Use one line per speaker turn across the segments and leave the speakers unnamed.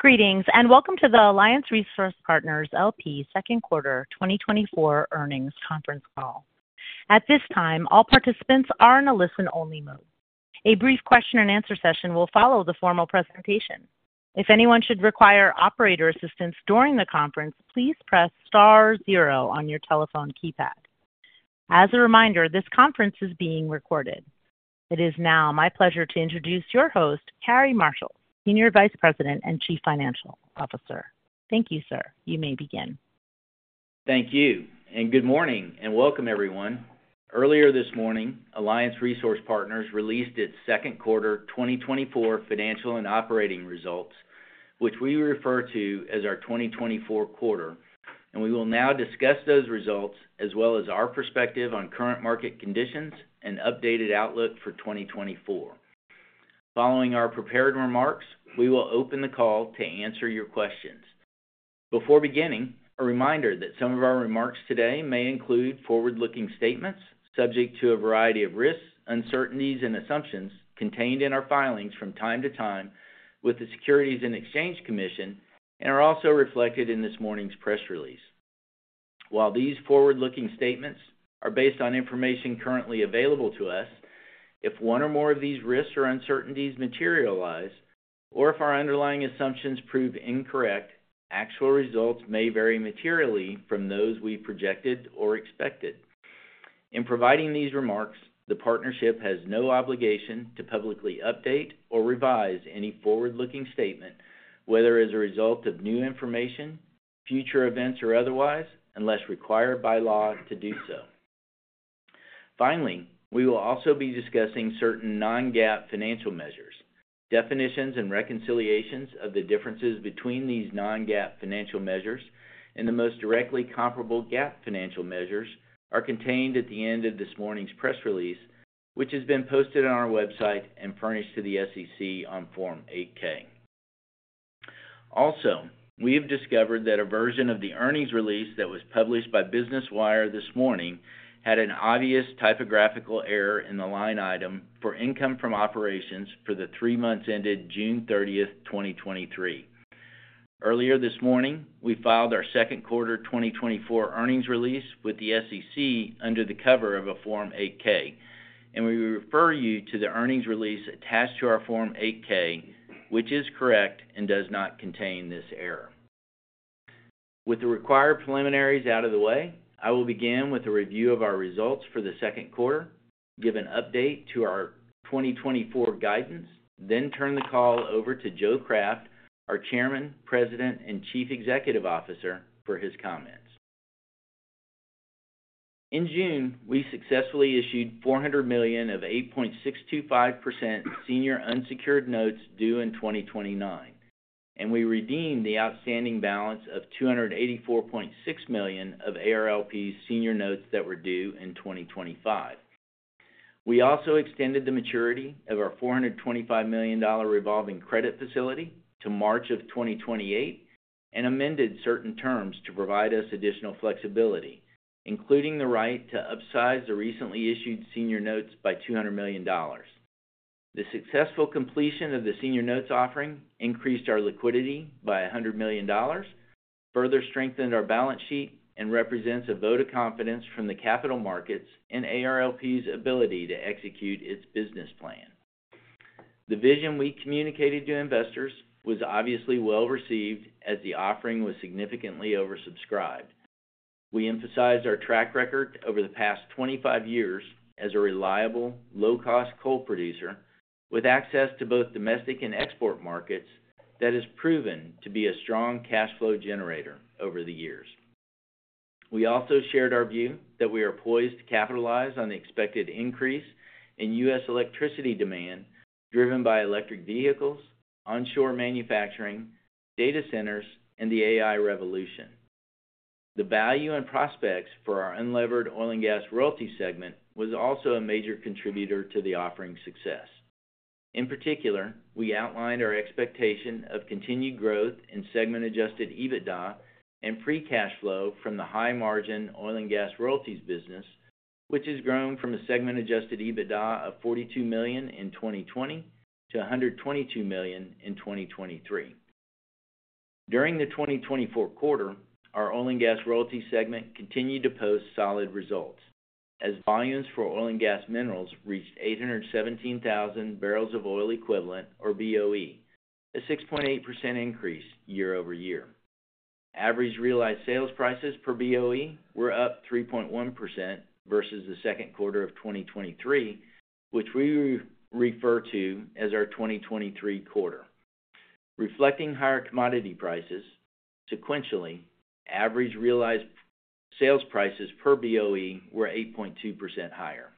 Greetings, and welcome to the Alliance Resource Partners, L.P. second quarter 2024 earnings conference call. At this time, all participants are in a listen-only mode. A brief question-and-answer session will follow the formal presentation. If anyone should require operator assistance during the conference, please press star zero on your telephone keypad. As a reminder, this conference is being recorded. It is now my pleasure to introduce your host, Cary Marshall, Senior Vice President and Chief Financial Officer. Thank you, sir. You may begin.
Thank you, and good morning, and welcome, everyone. Earlier this morning, Alliance Resource Partners released its second quarter 2024 financial and operating results, which we refer to as our 2024 quarter, and we will now discuss those results as well as our perspective on current market conditions and updated outlook for 2024. Following our prepared remarks, we will open the call to answer your questions. Before beginning, a reminder that some of our remarks today may include forward-looking statements subject to a variety of risks, uncertainties, and assumptions contained in our filings from time to time with the Securities and Exchange Commission and are also reflected in this morning's press release. While these forward-looking statements are based on information currently available to us, if one or more of these risks or uncertainties materialize, or if our underlying assumptions prove incorrect, actual results may vary materially from those we projected or expected. In providing these remarks, the partnership has no obligation to publicly update or revise any forward-looking statement, whether as a result of new information, future events, or otherwise, unless required by law to do so. Finally, we will also be discussing certain non-GAAP financial measures. Definitions and reconciliations of the differences between these non-GAAP financial measures and the most directly comparable GAAP financial measures are contained at the end of this morning's press release, which has been posted on our website and furnished to the SEC on Form 8-K. Also, we have discovered that a version of the earnings release that was published by Business Wire this morning had an obvious typographical error in the line item for income from operations for the three months ended June 30th, 2023. Earlier this morning, we filed our second quarter 2024 earnings release with the SEC under the cover of a Form 8-K, and we refer you to the earnings release attached to our Form 8-K, which is correct and does not contain this error. With the required preliminaries out of the way, I will begin with a review of our results for the second quarter, give an update to our 2024 guidance, then turn the call over to Joe Craft, our Chairman, President, and Chief Executive Officer, for his comments. In June, we successfully issued $400 million of 8.625% senior unsecured notes due in 2029, and we redeemed the outstanding balance of $284.6 million of ARLP senior notes that were due in 2025. We also extended the maturity of our $425 million revolving credit facility to March of 2028 and amended certain terms to provide us additional flexibility, including the right to upsize the recently issued senior notes by $200 million. The successful completion of the senior notes offering increased our liquidity by $100 million, further strengthened our balance sheet, and represents a vote of confidence from the capital markets and ARLP's ability to execute its business plan. The vision we communicated to investors was obviously well received as the offering was significantly oversubscribed. We emphasized our track record over the past 25 years as a reliable, low-cost coal producer with access to both domestic and export markets that has proven to be a strong cash flow generator over the years. We also shared our view that we are poised to capitalize on the expected increase in U.S. electricity demand driven by electric vehicles, onshore manufacturing, data centers, and the AI revolution. The value and prospects for our unlevered oil and gas royalty segment was also a major contributor to the offering's success. In particular, we outlined our expectation of continued growth in segment-adjusted EBITDA and free cash flow from the high-margin oil and gas royalties business, which has grown from a segment-adjusted EBITDA of $42 million in 2020 to $122 million in 2023. During the 2024 quarter, our oil and gas royalty segment continued to post solid results as volumes for oil and gas minerals reached 817,000 barrels of oil equivalent, or BOE, a 6.8% increase year-over-year. Average realized sales prices per BOE were up 3.1% versus the second quarter of 2023, which we refer to as our 2023 quarter. Reflecting higher commodity prices, sequentially, average realized sales prices per BOE were 8.2% higher.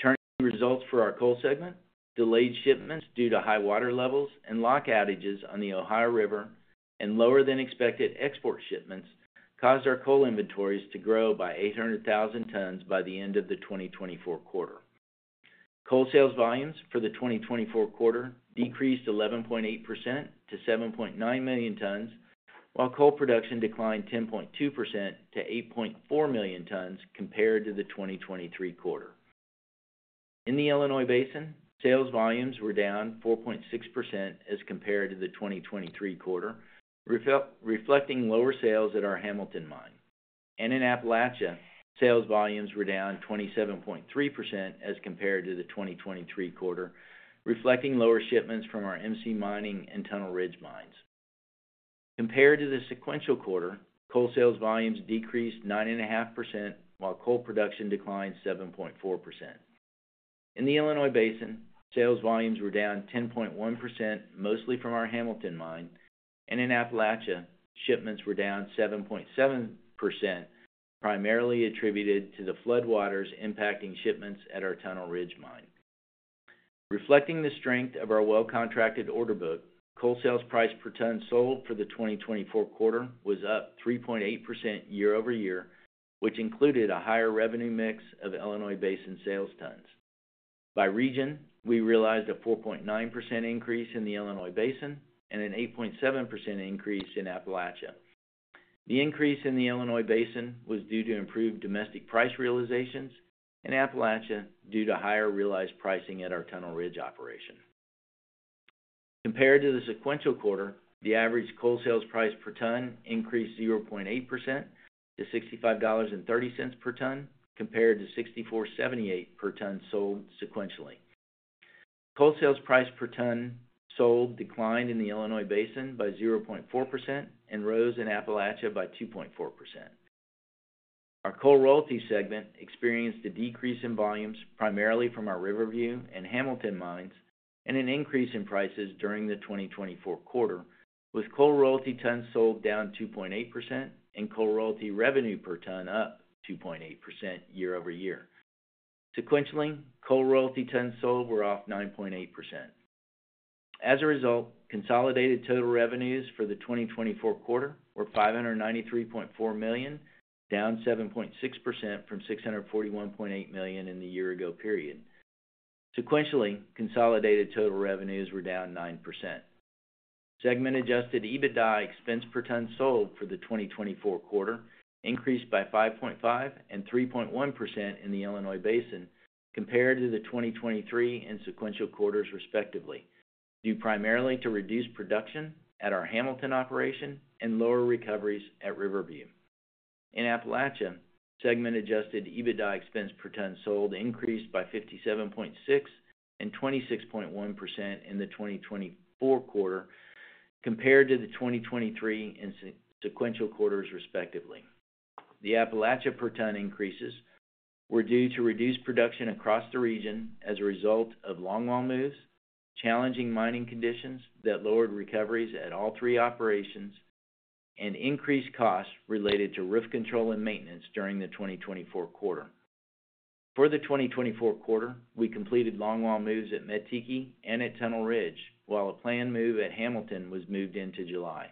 Turning to results for our coal segment, delayed shipments due to high water levels and lock outages on the Ohio River and lower-than-expected export shipments caused our coal inventories to grow by 800,000 tons by the end of the 2024 quarter. Coal sales volumes for the 2024 quarter decreased 11.8% to 7.9 million tons, while coal production declined 10.2% to 8.4 million tons compared to the 2023 quarter. In the Illinois Basin, sales volumes were down 4.6% as compared to the 2023 quarter, reflecting lower sales at our Hamilton Mine. In Appalachia, sales volumes were down 27.3% as compared to the 2023 quarter, reflecting lower shipments from our MC Mining and Tunnel Ridge Mines. Compared to the sequential quarter, coal sales volumes decreased 9.5%, while coal production declined 7.4%. In the Illinois Basin, sales volumes were down 10.1%, mostly from our Hamilton Mine. In Appalachia, shipments were down 7.7%, primarily attributed to the floodwaters impacting shipments at our Tunnel Ridge Mine. Reflecting the strength of our well-contracted order book, coal sales price per ton sold for the 2024 quarter was up 3.8% year-over-year, which included a higher revenue mix of Illinois Basin sales tons. By region, we realized a 4.9% increase in the Illinois Basin and an 8.7% increase in Appalachia. The increase in the Illinois Basin was due to improved domestic price realizations in Appalachia due to higher realized pricing at our Tunnel Ridge operation. Compared to the sequential quarter, the average coal sales price per ton increased 0.8% to $65.30 per ton, compared to $64.78 per ton sold sequentially. Coal sales price per ton sold declined in the Illinois Basin by 0.4% and rose in Appalachia by 2.4%. Our coal royalty segment experienced a decrease in volumes, primarily from our River View and Hamilton Mines, and an increase in prices during the 2024 quarter, with coal royalty tons sold down 2.8% and coal royalty revenue per ton up 2.8% year-over-year. Sequentially, coal royalty tons sold were off 9.8%. As a result, consolidated total revenues for the 2024 quarter were $593.4 million, down 7.6% from $641.8 million in the year-ago period. Sequentially, consolidated total revenues were down 9%. Segment-adjusted EBITDA expense per ton sold for the 2024 quarter increased by 5.5% and 3.1% in the Illinois Basin, compared to the 2023 and sequential quarters, respectively, due primarily to reduced production at our Hamilton operation and lower recoveries at River View. In Appalachia, segment-adjusted EBITDA expense per ton sold increased by 57.6% and 26.1% in the 2024 quarter, compared to the 2023 and sequential quarters, respectively. The Appalachia per ton increases were due to reduced production across the region as a result of longwall moves, challenging mining conditions that lowered recoveries at all three operations, and increased costs related to roof control and maintenance during the 2024 quarter. For the 2024 quarter, we completed longwall moves at Mettiki and at Tunnel Ridge, while a planned move at Hamilton was moved into July.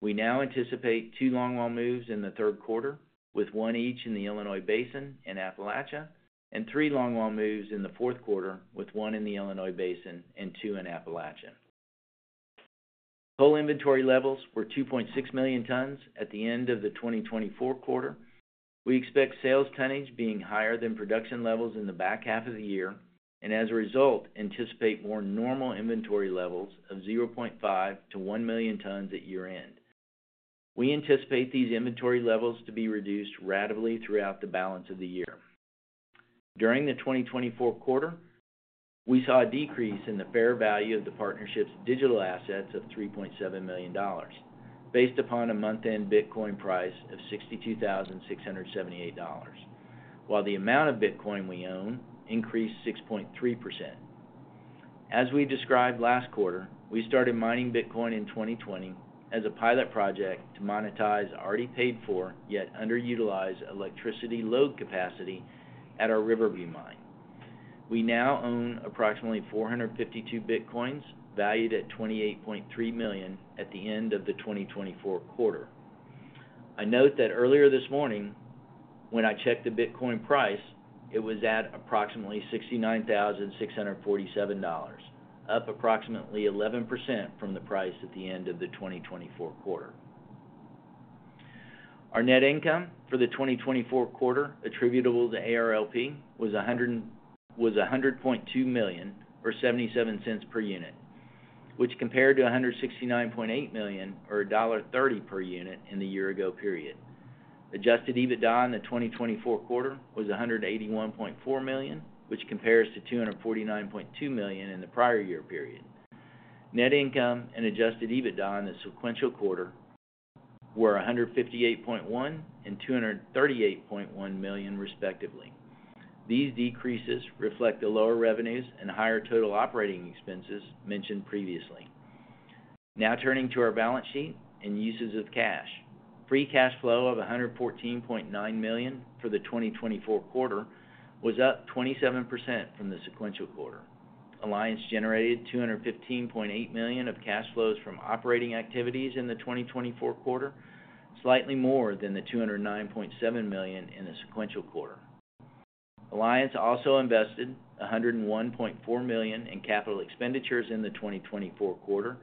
We now anticipate two longwall moves in the third quarter, with one each in the Illinois Basin and Appalachia, and three longwall moves in the fourth quarter, with one in the Illinois Basin and two in Appalachia. Coal inventory levels were 2.6 million tons at the end of the 2024 quarter. We expect sales tonnage being higher than production levels in the back half of the year, and as a result, anticipate more normal inventory levels of 0.5 million-1 million tons at year-end. We anticipate these inventory levels to be reduced radically throughout the balance of the year. During the 2024 quarter, we saw a decrease in the fair value of the partnership's digital assets of $3.7 million, based upon a month-end Bitcoin price of $62,678, while the amount of Bitcoin we own increased 6.3%. As we described last quarter, we started mining Bitcoin in 2020 as a pilot project to monetize already paid-for yet underutilized electricity load capacity at our River View Mine. We now own approximately 452 Bitcoins valued at $28.3 million at the end of the 2024 quarter. I note that earlier this morning, when I checked the Bitcoin price, it was at approximately $69,647, up approximately 11% from the price at the end of the 2024 quarter. Our net income for the 2024 quarter attributable to ARLP was $100.2 million, or $0.77 per unit, which compared to $169.8 million, or $1.30 per unit in the year-ago period. Adjusted EBITDA in the 2024 quarter was $181.4 million, which compares to $249.2 million in the prior year period. Net income and adjusted EBITDA in the sequential quarter were $158.1 million and $238.1 million, respectively. These decreases reflect the lower revenues and higher total operating expenses mentioned previously. Now turning to our balance sheet and uses of cash. Free cash flow of $114.9 million for the 2024 quarter was up 27% from the sequential quarter. Alliance generated $215.8 million of cash flows from operating activities in the 2024 quarter, slightly more than the $209.7 million in the sequential quarter. Alliance also invested $101.4 million in capital expenditures in the 2024 quarter,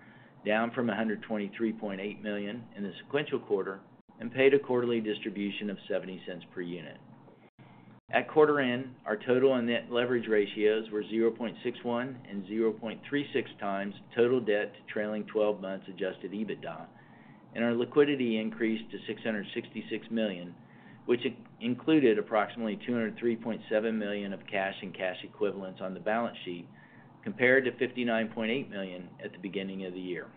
down from $123.8 million in the sequential quarter, and paid a quarterly distribution of $0.70 per unit. At quarter end, our total and net leverage ratios were 0.61x and 0.36x total debt trailing 12 months adjusted EBITDA, and our liquidity increased to $666 million, which included approximately $203.7 million of cash and cash equivalents on the balance sheet, compared to $59.8 million at the beginning of the year.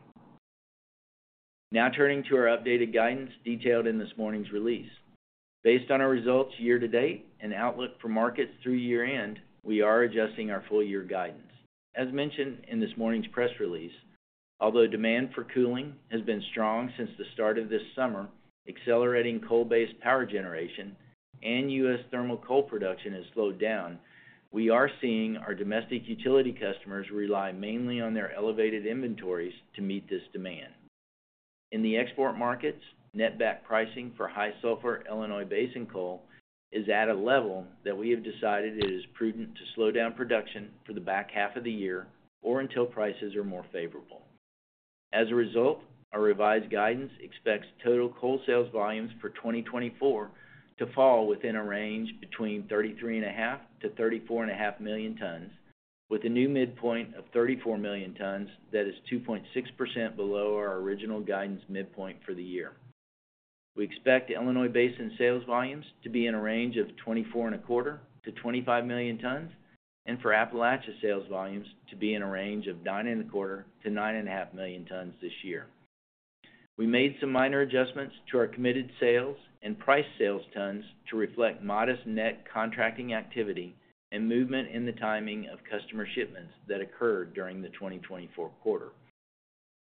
Now turning to our updated guidance detailed in this morning's release. Based on our results year-to-date and outlook for markets through year-end, we are adjusting our full-year guidance. As mentioned in this morning's press release, although demand for cooling has been strong since the start of this summer, accelerating coal-based power generation and U.S. thermal coal production has slowed down, we are seeing our domestic utility customers rely mainly on their elevated inventories to meet this demand. In the export markets, netback pricing for high sulfur Illinois Basin coal is at a level that we have decided it is prudent to slow down production for the back half of the year or until prices are more favorable. As a result, our revised guidance expects total coal sales volumes for 2024 to fall within a range between 33.5 million-34.5 million tons, with a new midpoint of 34 million tons that is 2.6% below our original guidance midpoint for the year. We expect Illinois Basin sales volumes to be in a range of 24.25 million-25 million tons, and for Appalachia sales volumes to be in a range of 9.25 million-9.5 million tons this year. We made some minor adjustments to our committed sales and priced sales tons to reflect modest net contracting activity and movement in the timing of customer shipments that occurred during the 2024 quarter.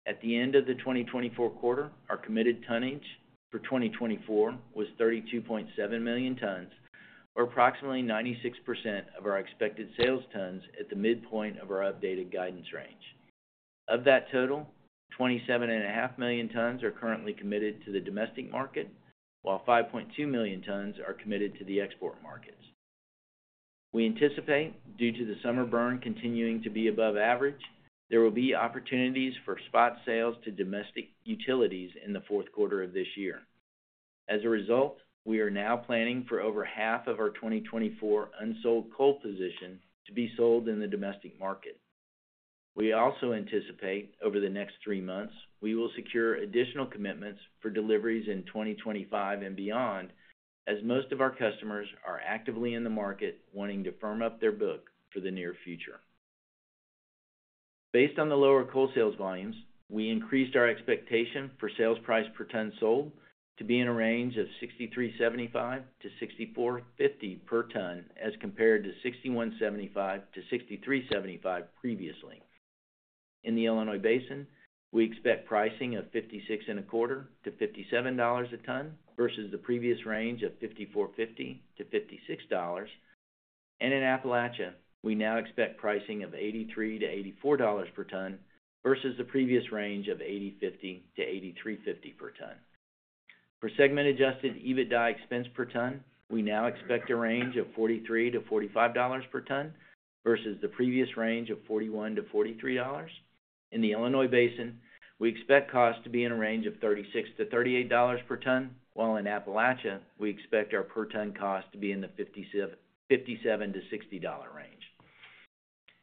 At the end of the 2024 quarter, our committed tonnage for 2024 was 32.7 million tons, or approximately 96% of our expected sales tons at the midpoint of our updated guidance range. Of that total, 27.5 million tons are currently committed to the domestic market, while 5.2 million tons are committed to the export markets. We anticipate, due to the summer burn continuing to be above average, there will be opportunities for spot sales to domestic utilities in the fourth quarter of this year. As a result, we are now planning for over half of our 2024 unsold coal position to be sold in the domestic market. We also anticipate, over the next three months, we will secure additional commitments for deliveries in 2025 and beyond, as most of our customers are actively in the market wanting to firm up their book for the near future. Based on the lower coal sales volumes, we increased our expectation for sales price per ton sold to be in a range of $63.75-$64.50 per ton, as compared to $61.75-$63.75 previously. In the Illinois Basin, we expect pricing of $56.25-$57 a ton versus the previous range of $54.50-$56. And in Appalachia, we now expect pricing of $83.00-$84.00 per ton versus the previous range of $80.50-$83.50 per ton. For segment-adjusted EBITDA expense per ton, we now expect a range of $43.00-$45.00 per ton versus the previous range of $41.00-$43.00. In the Illinois Basin, we expect costs to be in a range of $36.00-$38.00 per ton, while in Appalachia, we expect our per ton cost to be in the $57.00-$60.00 range.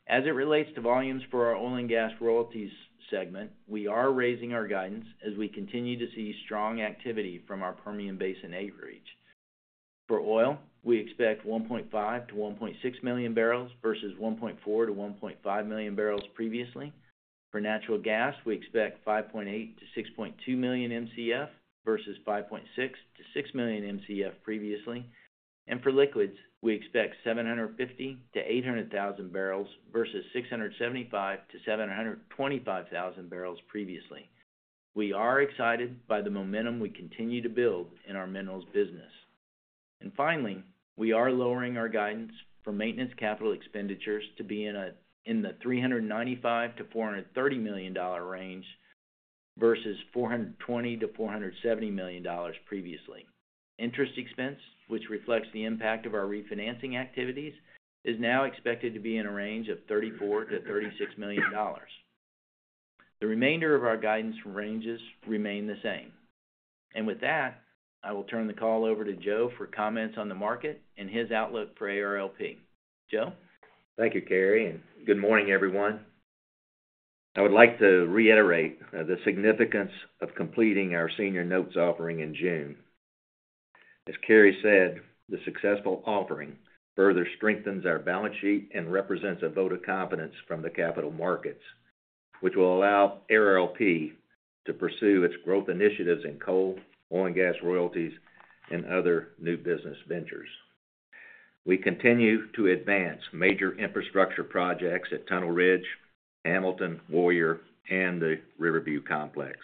As it relates to volumes for our oil and gas royalties segment, we are raising our guidance as we continue to see strong activity from our Permian Basin outreach. For oil, we expect 1.5 million-1.6 million bbl versus 1.4 million-1.5 million bbl previously. For natural gas, we expect 5.8 million-6.2 million MCF versus 5.6 million-6 million MCF previously. And for liquids, we expect 750,000-800,000 bbl versus 675,000-725,000 bbl previously. We are excited by the momentum we continue to build in our minerals business. And finally, we are lowering our guidance for maintenance capital expenditures to be in the $395 million-$430 million range versus $420 million-$470 million previously. Interest expense, which reflects the impact of our refinancing activities, is now expected to be in a range of $34 million-$36 million. The remainder of our guidance ranges remain the same. And with that, I will turn the call over to Joe for comments on the market and his outlook for ARLP. Joe?
Thank you, Cary. And good morning, everyone. I would like to reiterate the significance of completing our senior notes offering in June. As Cary said, the successful offering further strengthens our balance sheet and represents a vote of confidence from the capital markets, which will allow ARLP to pursue its growth initiatives in coal, oil and gas royalties, and other new business ventures. We continue to advance major infrastructure projects at Tunnel Ridge, Hamilton, Warrior, and the River View complex.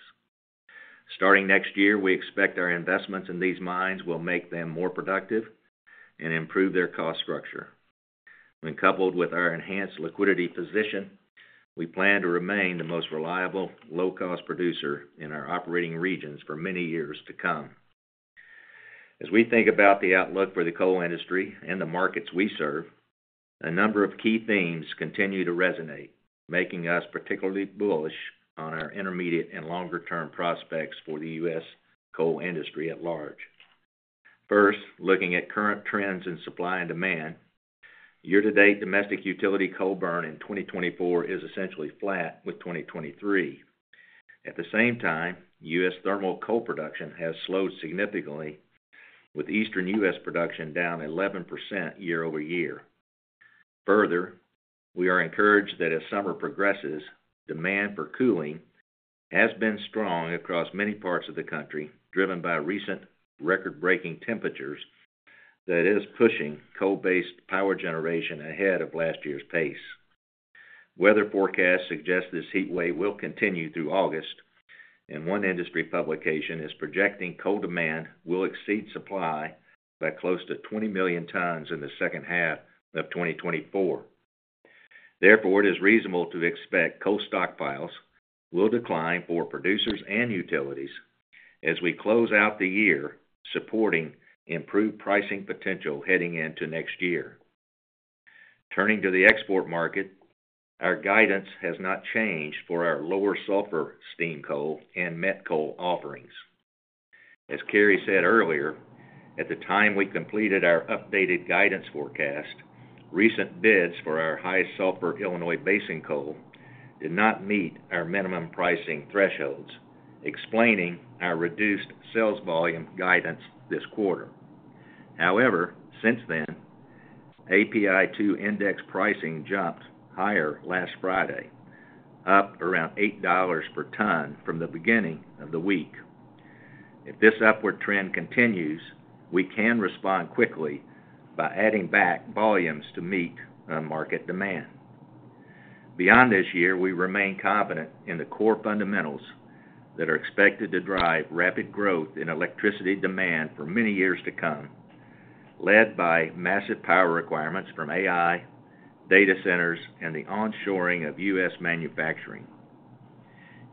Starting next year, we expect our investments in these mines will make them more productive and improve their cost structure. When coupled with our enhanced liquidity position, we plan to remain the most reliable, low-cost producer in our operating regions for many years to come. As we think about the outlook for the coal industry and the markets we serve, a number of key themes continue to resonate, making us particularly bullish on our intermediate and longer-term prospects for the U.S. coal industry at large. First, looking at current trends in supply and demand, year-to-date domestic utility coal burn in 2024 is essentially flat with 2023. At the same time, U.S. thermal coal production has slowed significantly, with Eastern U.S. production down 11% year-over-year. Further, we are encouraged that as summer progresses, demand for cooling has been strong across many parts of the country, driven by recent record-breaking temperatures that are pushing coal-based power generation ahead of last year's pace. Weather forecasts suggest this heat wave will continue through August, and one industry publication is projecting coal demand will exceed supply by close to 20 million tons in the second half of 2024. Therefore, it is reasonable to expect coal stockpiles will decline for producers and utilities as we close out the year supporting improved pricing potential heading into next year. Turning to the export market, our guidance has not changed for our lower sulfur steam coal and met coal offerings. As Cary said earlier, at the time we completed our updated guidance forecast, recent bids for our high sulfur Illinois Basin coal did not meet our minimum pricing thresholds, explaining our reduced sales volume guidance this quarter. However, since then, API2 index pricing jumped higher last Friday, up around $8 per ton from the beginning of the week. If this upward trend continues, we can respond quickly by adding back volumes to meet market demand. Beyond this year, we remain confident in the core fundamentals that are expected to drive rapid growth in electricity demand for many years to come, led by massive power requirements from AI, data centers, and the onshoring of U.S. manufacturing.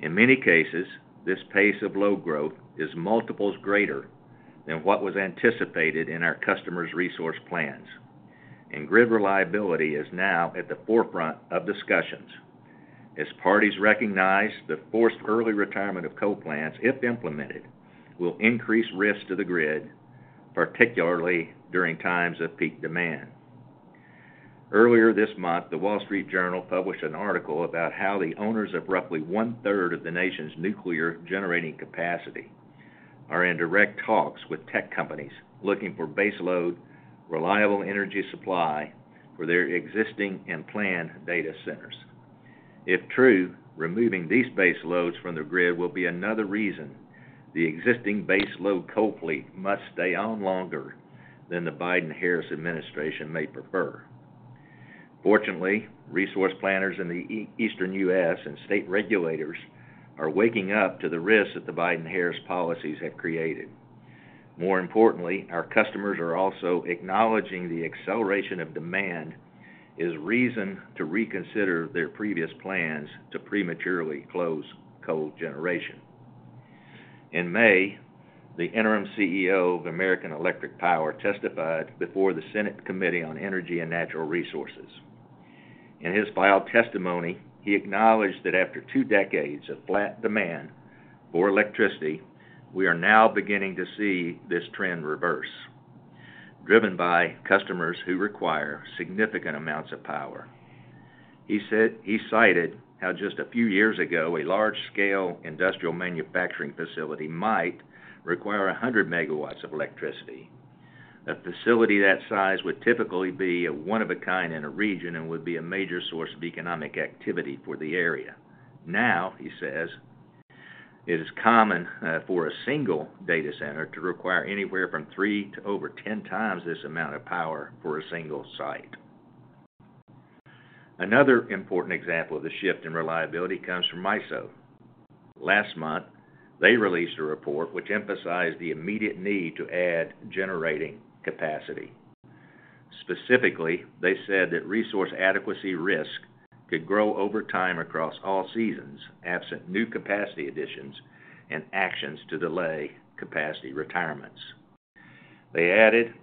In many cases, this pace of load growth is multiples greater than what was anticipated in our customers' resource plans, and grid reliability is now at the forefront of discussions, as parties recognize the forced early retirement of coal plants, if implemented, will increase risk to the grid, particularly during times of peak demand. Earlier this month, The Wall Street Journal published an article about how the owners of roughly one-third of the nation's nuclear generating capacity are in direct talks with tech companies looking for base load, reliable energy supply for their existing and planned data centers. If true, removing these base loads from the grid will be another reason the existing base load coal fleet must stay on longer than the Biden-Harris administration may prefer. Fortunately, resource planners in the Eastern U.S. and state regulators are waking up to the risks that the Biden-Harris policies have created. More importantly, our customers are also acknowledging the acceleration of demand as reason to reconsider their previous plans to prematurely close coal generation. In May, the interim CEO of American Electric Power testified before the Senate Committee on Energy and Natural Resources. In his filed testimony, he acknowledged that after two decades of flat demand for electricity, we are now beginning to see this trend reverse, driven by customers who require significant amounts of power. He cited how just a few years ago, a large-scale industrial manufacturing facility might require 100 MW of electricity. A facility that size would typically be a one-of-a-kind in a region and would be a major source of economic activity for the area. Now, he says, it is common for a single data center to require anywhere from three to over 10x this amount of power for a single site. Another important example of the shift in reliability comes from ISO. Last month, they released a report which emphasized the immediate need to add generating capacity. Specifically, they said that resource adequacy risk could grow over time across all seasons absent new capacity additions and actions to delay capacity retirements. They added,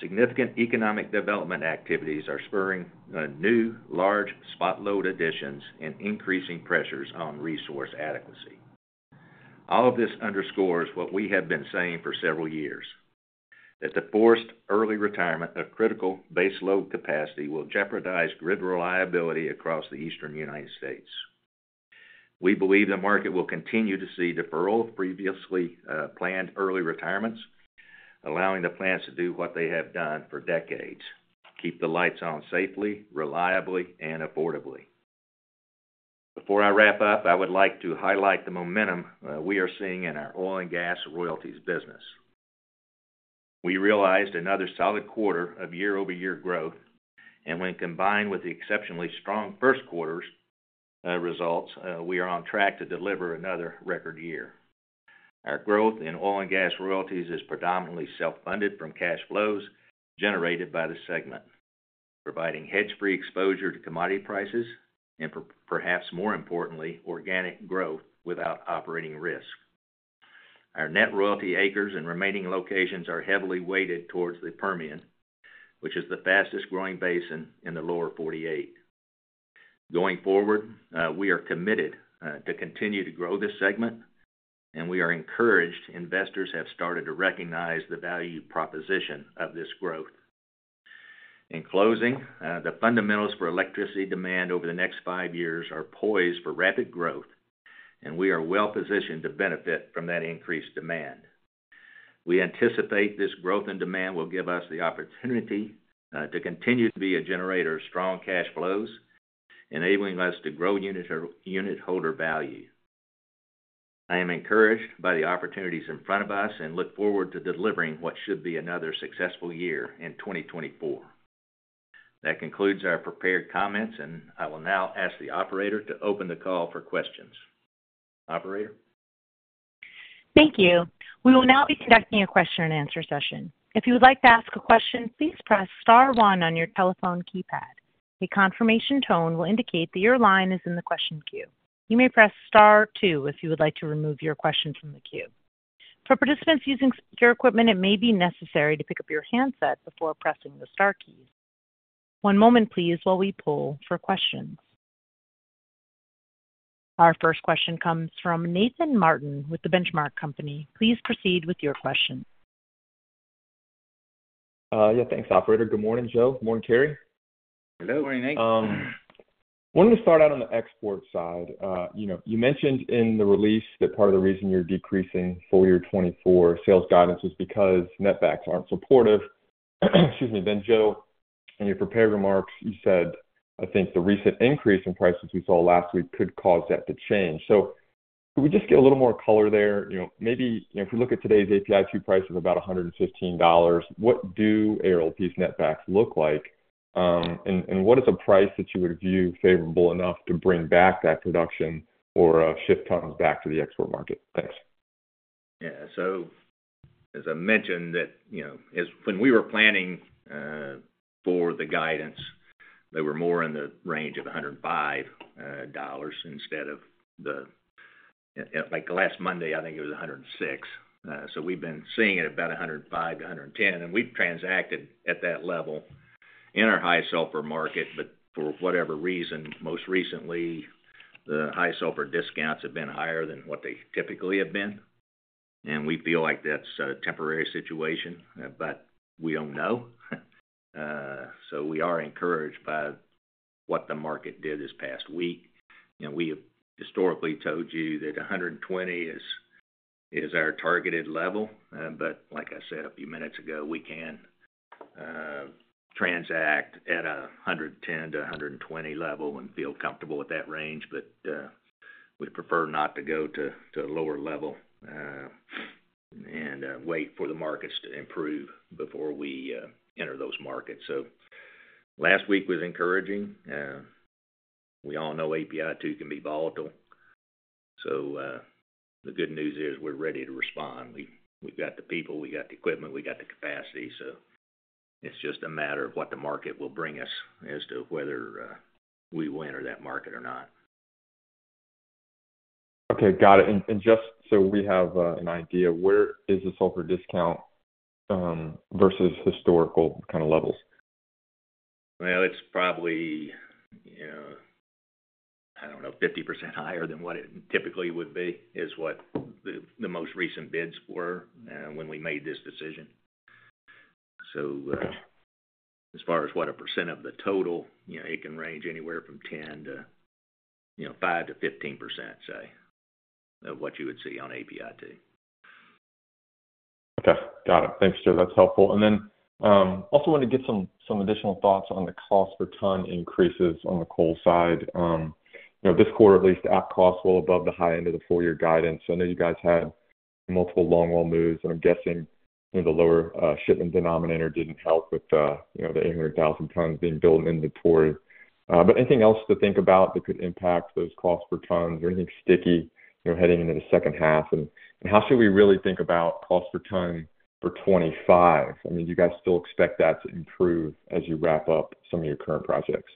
significant economic development activities are spurring new large spot load additions and increasing pressures on resource adequacy. All of this underscores what we have been saying for several years, that the forced early retirement of critical base load capacity will jeopardize grid reliability across the Eastern United States. We believe the market will continue to see deferral of previously planned early retirements, allowing the plants to do what they have done for decades: keep the lights on safely, reliably, and affordably. Before I wrap up, I would like to highlight the momentum we are seeing in our oil and gas royalties business. We realized another solid quarter of year-over-year growth, and when combined with the exceptionally strong first quarter results, we are on track to deliver another record year. Our growth in oil and gas royalties is predominantly self-funded from cash flows generated by the segment, providing hedge-free exposure to commodity prices and, perhaps more importantly, organic growth without operating risk. Our net royalty acres and remaining locations are heavily weighted towards the Permian, which is the fastest-growing basin in the lower 48. Going forward, we are committed to continue to grow this segment, and we are encouraged investors have started to recognize the value proposition of this growth. In closing, the fundamentals for electricity demand over the next five years are poised for rapid growth, and we are well-positioned to benefit from that increased demand. We anticipate this growth in demand will give us the opportunity to continue to be a generator of strong cash flows, enabling us to grow unit holder value. I am encouraged by the opportunities in front of us and look forward to delivering what should be another successful year in 2024. That concludes our prepared comments, and I will now ask the operator to open the call for questions. Operator?
Thank you. We will now be conducting a question-and-answer session. If you would like to ask a question, please press star one on your telephone keypad. A confirmation tone will indicate that your line is in the question queue. You may press star two if you would like to remove your question from the queue. For participants using secure equipment, it may be necessary to pick up your handset before pressing the star keys. One moment, please, while we pull for questions. Our first question comes from Nathan Martin with The Benchmark Company. Please proceed with your question.
Yeah, thanks, Operator. Good morning, Joe. Good morning, Cary. Hello. Good morning, Nathan. Wanted to start out on the export side. You mentioned in the release that part of the reason you're decreasing for year 2024 sales guidance was because netback aren't supportive. Excuse me. Then Joe, in your prepared remarks, you said, "I think the recent increase in prices we saw last week could cause that to change." So could we just get a little more color there? Maybe if we look at today's API2 price of about $115, what do ARLP's netback look like, and what is a price that you would view favorable enough to bring back that production or shift tons back to the export market? Thanks.
Yeah. So as I mentioned, when we were planning for the guidance, they were more in the range of $105 instead of the last Monday, I think it was $106. So we've been seeing it at about $105-$110, and we've transacted at that level in our high sulfur market, but for whatever reason, most recently, the high sulfur discounts have been higher than what they typically have been. And we feel like that's a temporary situation, but we don't know. So we are encouraged by what the market did this past week. We have historically told you that $120 is our targeted level, but like I said a few minutes ago, we can transact at a $110-$120 level and feel comfortable with that range, but we prefer not to go to a lower level and wait for the markets to improve before we enter those markets. Last week was encouraging. We all know API2 can be volatile. The good news is we're ready to respond. We've got the people, we've got the equipment, we've got the capacity. It's just a matter of what the market will bring us as to whether we win or that market or not.
Okay. Got it. And just so we have an idea, where is the sulfur discount versus historical kind of levels?
Well, it's probably, I don't know, 50% higher than what it typically would be, is what the most recent bids were when we made this decision. So as far as what a percent of the total, it can range anywhere from 10% to 5% to 15%, say, of what you would see on API2.
Okay. Got it. Thanks, Joe. That's helpful. And then also wanted to get some additional thoughts on the cost per ton increases on the coal side. This quarter, at least, App costs well above the high end of the four-year guidance. I know you guys had multiple longwall moves, and I'm guessing the lower shipment denominator didn't help with the 800,000 tons being built inventory. But anything else to think about that could impact those costs per tons? Anything sticky heading into the second half? How should we really think about cost per ton for 2025? I mean, do you guys still expect that to improve as you wrap up some of your current projects?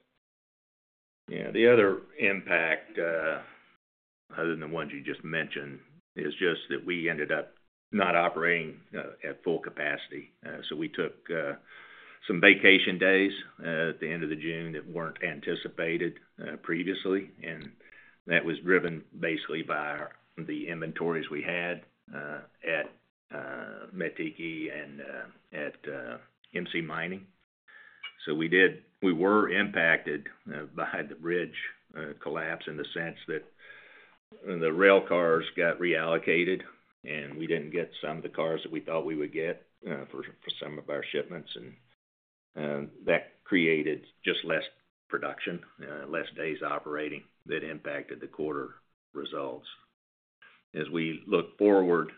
Yeah. The other impact, other than the ones you just mentioned, is just that we ended up not operating at full capacity. So we took some vacation days at the end of June that weren't anticipated previously, and that was driven basically by the inventories we had at Mettiki and at MC Mining. So we were impacted by the bridge collapse in the sense that the rail cars got reallocated, and we didn't get some of the cars that we thought we would get for some of our shipments. And that created just less production, less days operating that impacted the quarter results. As we look forward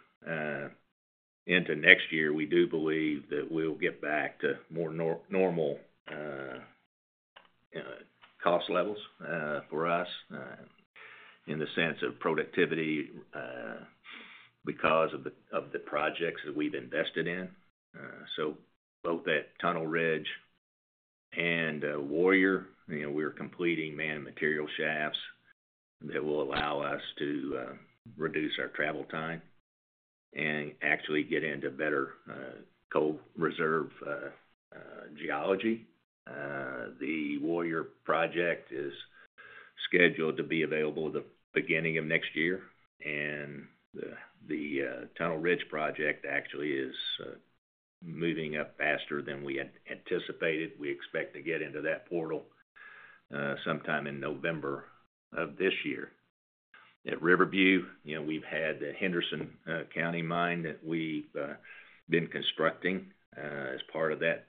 into next year, we do believe that we'll get back to more normal cost levels for us in the sense of productivity because of the projects that we've invested in. So both at Tunnel Ridge and Warrior, we're completing man and material shafts that will allow us to reduce our travel time and actually get into better coal reserve geology. The Warrior project is scheduled to be available at the beginning of next year, and the Tunnel Ridge project actually is moving up faster than we anticipated. We expect to get into that portal sometime in November of this year. At River View, we've had the Henderson County Mine that we've been constructing as part of that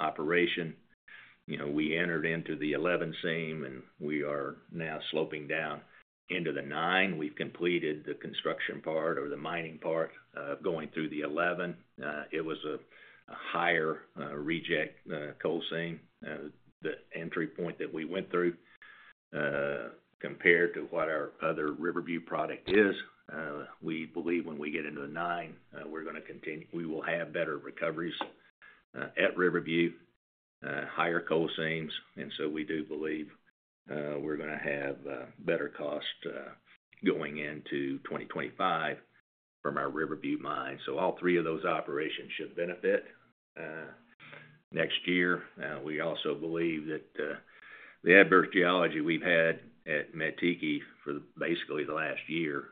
operation. We entered into the 11 seam, and we are now sloping down into the 9. We've completed the construction part or the mining part of going through the 11. It was a higher reject coal seam, the entry point that we went through, compared to what our other River View product is. We believe when we get into the 9, we're going to continue; we will have better recoveries at River View, higher coal seams. And so we do believe we're going to have better cost going into 2025 from our River View Mine. So all three of those operations should benefit next year. We also believe that the adverse geology we've had at Mettiki for basically the last year,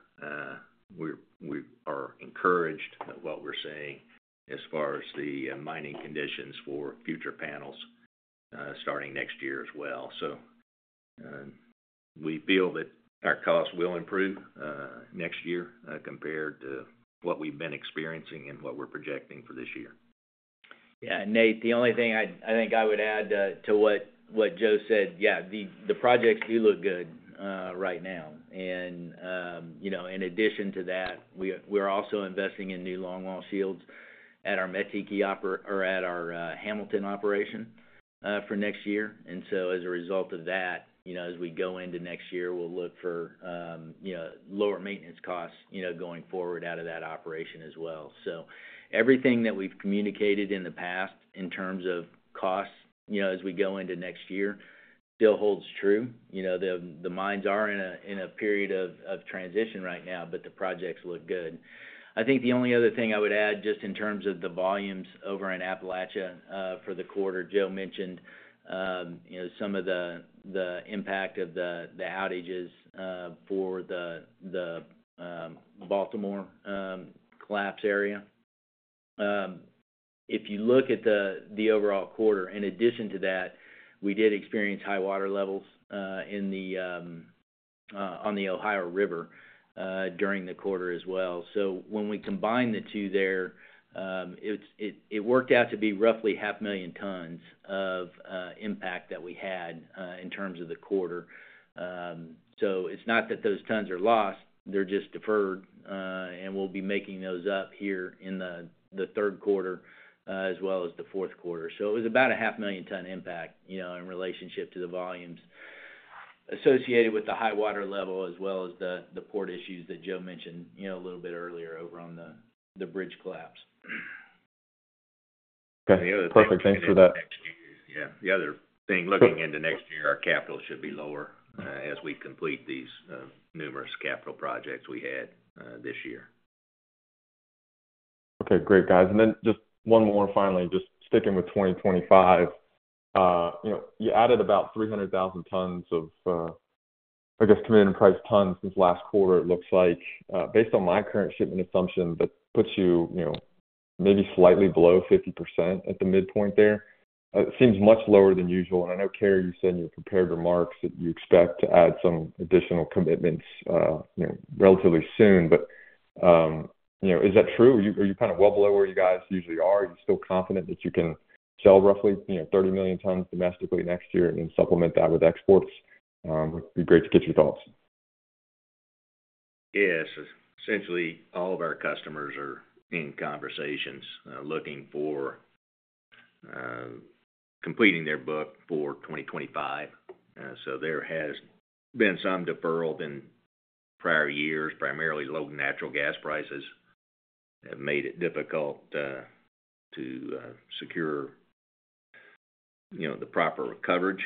we are encouraged at what we're seeing as far as the mining conditions for future panels starting next year as well. So we feel that our cost will improve next year compared to what we've been experiencing and what we're projecting for this year.
Yeah. And Nate, the only thing I think I would add to what Joe said, yeah, the projects do look good right now. And in addition to that, we're also investing in new longwall shields at our Mettiki or at our Hamilton operation for next year. And so as a result of that, as we go into next year, we'll look for lower maintenance costs going forward out of that operation as well. So everything that we've communicated in the past in terms of costs as we go into next year still holds true. The mines are in a period of transition right now, but the projects look good. I think the only other thing I would add just in terms of the volumes over in Appalachia for the quarter, Joe mentioned some of the impact of the outages for the Baltimore collapse area. If you look at the overall quarter, in addition to that, we did experience high water levels on the Ohio River during the quarter as well. So when we combine the two there, it worked out to be roughly 500,000 tons of impact that we had in terms of the quarter. So it's not that those tons are lost; they're just deferred, and we'll be making those up here in the third quarter as well as the fourth quarter. So it was about a 500,000 ton impact in relationship to the volumes associated with the high water level as well as the port issues that Joe mentioned a little bit earlier over on the bridge collapse.
Okay. Perfect. Thanks for that.
Yeah. The other thing, looking into next year, our capital should be lower as we complete these numerous capital projects we had this year.
Okay. Great, guys. And then just one more finally, just sticking with 2025, you added about 300,000 tons of, I guess, committed and priced tons since last quarter, it looks like. Based on my current shipment assumption, that puts you maybe slightly below 50% at the midpoint there. It seems much lower than usual. And I know, Cary, you said in your prepared remarks that you expect to add some additional commitments relatively soon. But is that true? Are you kind of well below where you guys usually are? Are you still confident that you can sell roughly 30 million tons domestically next year and then supplement that with exports? It would be great to get your thoughts.
Yeah. So essentially, all of our customers are in conversations looking for completing their book for 2025. So there has been some deferral in prior years. Primarily, low natural gas prices have made it difficult to secure the proper coverage.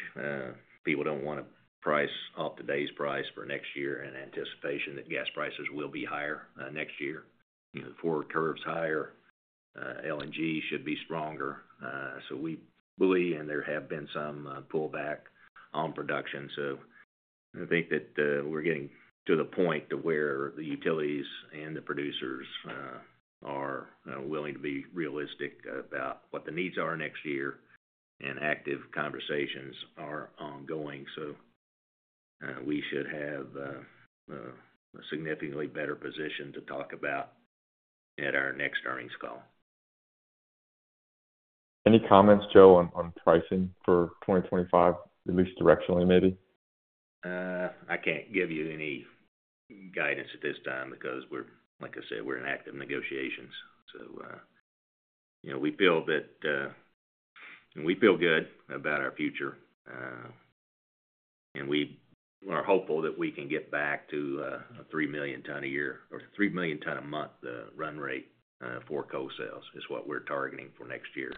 People don't want to price off today's price for next year in anticipation that gas prices will be higher next year. The forward curve's higher. LNG should be stronger. So we believe, and there have been some pullback on production. So I think that we're getting to the point to where the utilities and the producers are willing to be realistic about what the needs are next year, and active conversations are ongoing. So we should have a significantly better position to talk about at our next earnings call.
Any comments, Joe, on pricing for 2025, at least directionally, maybe?
I can't give you any guidance at this time because, like I said, we're in active negotiations. So we feel good about our future, and we are hopeful that we can get back to a 3 million tons a year or 3 million tons a month run rate for coal sales, is what we're targeting for next year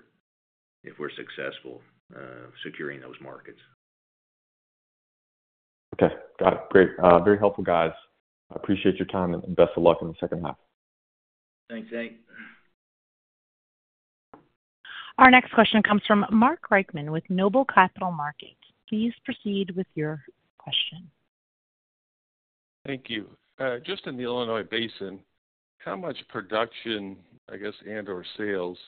if we're successful securing those markets.
Okay. Got it. Great. Very helpful, guys. I appreciate your time, and best of luck in the second half.
Thanks, Nate.
Our next question comes from Mark Reichman with Noble Capital Markets. Please proceed with your question.
Thank you. Just in the Illinois Basin, how much production, I guess, and/or sales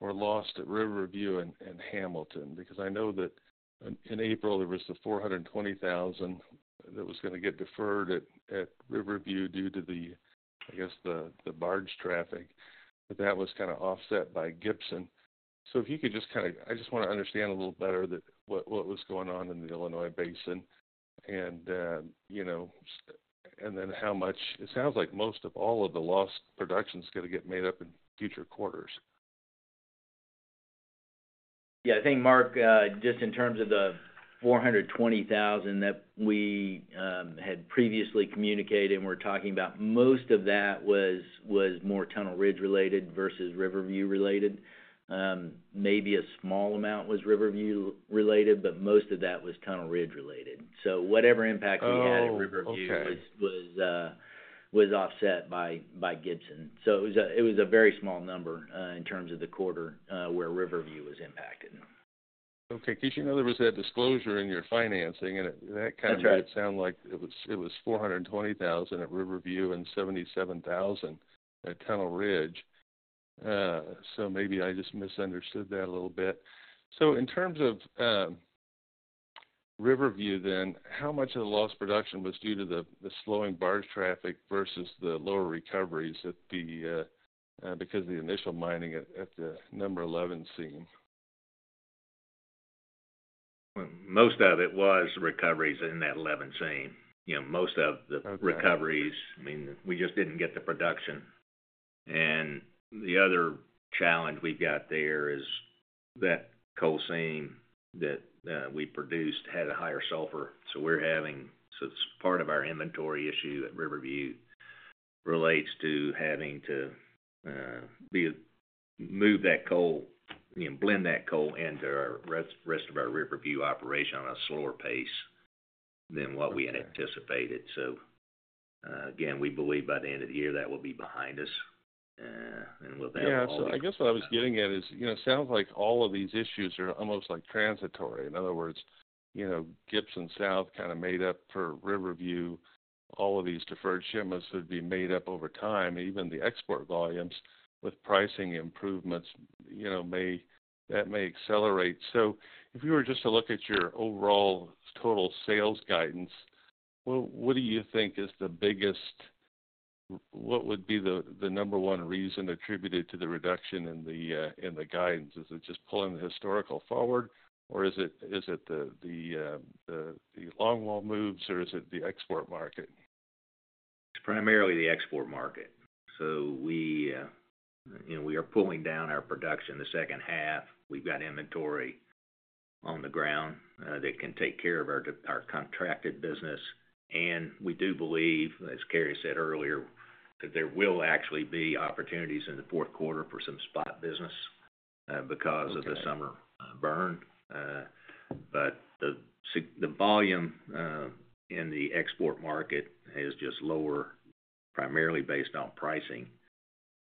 were lost at River View and Hamilton? Because I know that in April, there was the 420,000 that was going to get deferred at River View due to the, I guess, the barge traffic, but that was kind of offset by Gibson. So if you could just kind of, I just want to understand a little better what was going on in the Illinois Basin and then how much it sounds like most of all of the lost production is going to get made up in future quarters.
Yeah. I think, Mark, just in terms of the 420,000 that we had previously communicated and were talking about, most of that was more Tunnel Ridge-related versus River View-related. Maybe a small amount was River View-related, but most of that was Tunnel Ridge-related. So whatever impact we had at River View was offset by Gibson. So it was a very small number in terms of the quarter where River View was impacted.
Okay. Because you know there was that disclosure in your financing, and that kind of made it sound like it was 420,000 at River View and 77,000 at Tunnel Ridge. So maybe I just misunderstood that a little bit. So in terms of River View then, how much of the lost production was due to the slowing barge traffic versus the lower recoveries because of the initial mining at the number 11 seam?
Most of it was recoveries in that 11 seam. Most of the recoveries—I mean, we just didn't get the production. And the other challenge we've got there is that coal seam that we produced had a higher sulfur. So we're having—so it's part of our inventory issue at River View relates to having to move that coal, blend that coal into the rest of our River View operation on a slower pace than what we anticipated. So again, we believe by the end of the year that will be behind us, and we'll have a little— Yeah.
I guess what I was getting at is it sounds like all of these issues are almost transitory. In other words, Gibson South kind of made up for River View, all of these deferred shipments would be made up over time. Even the export volumes with pricing improvements, that may accelerate. So if you were just to look at your overall total sales guidance, what do you think is the biggest—what would be the number one reason attributed to the reduction in the guidance? Is it just pulling the historical forward, or is it the longwall moves, or is it the export market?
It's primarily the export market. So we are pulling down our production the second half. We've got inventory on the ground that can take care of our contracted business. And we do believe, as Cary said earlier, that there will actually be opportunities in the fourth quarter for some spot business because of the summer burn. But the volume in the export market is just lower, primarily based on pricing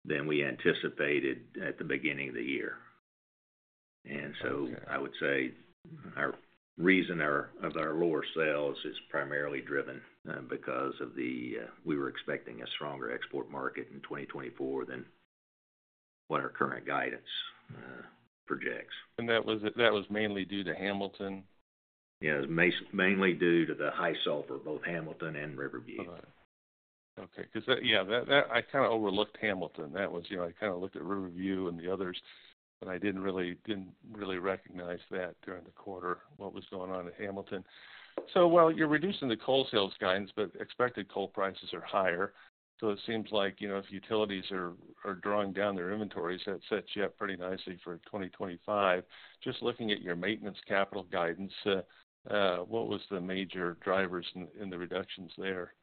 than we anticipated at the beginning of the year. And so I would say our reason of our lower sales is primarily driven because we were expecting a stronger export market in 2024 than what our current guidance projects.
And that was mainly due to Hamilton?
Yeah. It was mainly due to the high sulfur, both Hamilton and River View.
All right. Okay. Because, yeah, I kind of overlooked Hamilton. I kind of looked at River View and the others, but I didn't really recognize that during the quarter, what was going on at Hamilton. So while you're reducing the coal sales guidance, but expected coal prices are higher, so it seems like if utilities are drawing down their inventories, that sets you up pretty nicely for 2025. Just looking at your maintenance capital guidance, what was the major drivers in the reductions there?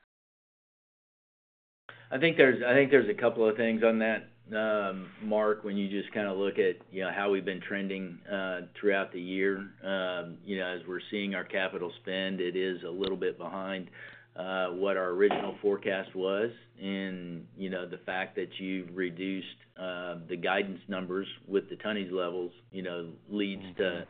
I think there's a couple of things on that, Mark, when you just kind of look at how we've been trending throughout the year. As we're seeing our capital spend, it is a little bit behind what our original forecast was. And the fact that you've reduced the guidance numbers with the tonnage levels leads to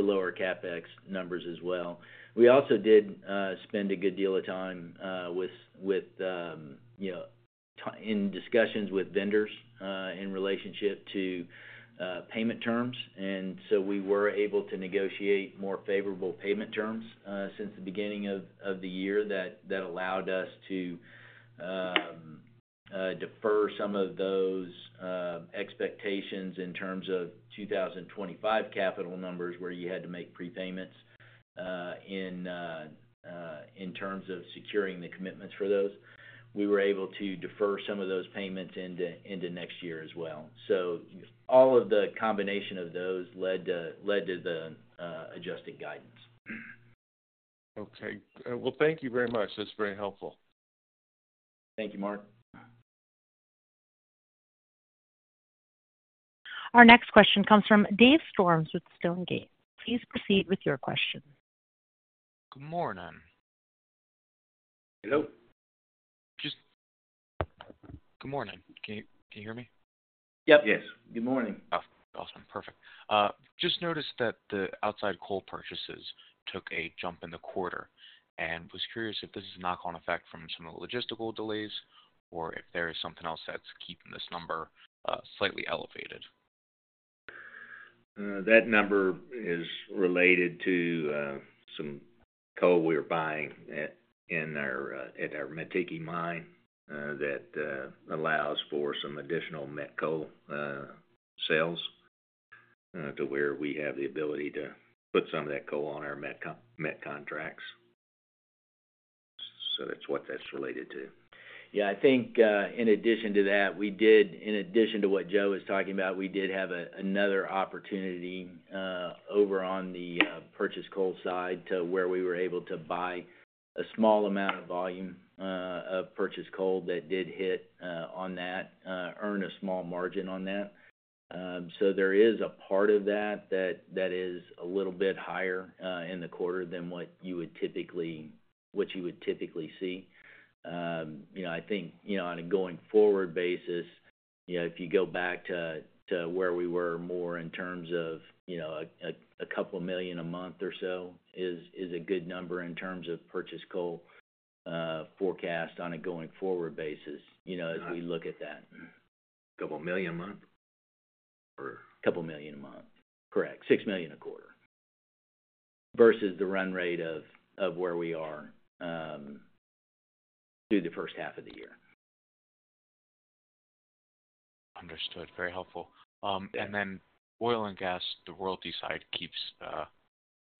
lower CapEx numbers as well. We also did spend a good deal of time in discussions with vendors in relationship to payment terms. And so we were able to negotiate more favorable payment terms since the beginning of the year that allowed us to defer some of those expectations in terms of 2025 capital numbers where you had to make prepayments in terms of securing the commitments for those. We were able to defer some of those payments into next year as well. So all of the combination of those led to the adjusted guidance.
Okay. Well, thank you very much. That's very helpful.
Thank you, Mark.
Our next question comes from Dave Storms with Stonegate. Please proceed with your question.
Good morning. Hello? Good morning. Can you hear me?
Yep. Yes. Good morning.
Awesome. Perfect. Just noticed that the outside coal purchases took a jump in the quarter and was curious if this is a knock-on effect from some of the logistical delays or if there is something else that's keeping this number slightly elevated?
That number is related to some coal we are buying at our Mettiki Mine that allows for some additional met coal sales to where we have the ability to put some of that coal on our met contracts. So that's what that's related to.
Yeah. I think in addition to that, in addition to what Joe was talking about, we did have another opportunity over on the purchased coal side to where we were able to buy a small amount of volume of purchased coal that did hit on that, earn a small margin on that. So there is a part of that that is a little bit higher in the quarter than what you would typically see. I think on a going-forward basis, if you go back to where we were more in terms of 2 million a month or so is a good number in terms of purchased coal forecast on a going-forward basis as we look at that. 2 million a month or? 2 million a month. Correct. 6 million a quarter versus the run rate of where we are through the first half of the year.
Understood. Very helpful. And then oil and gas, the royalty side keeps